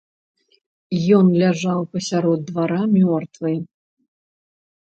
Ён ляжаў пасярод двара мёртвы.